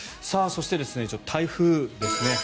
そして、台風ですね。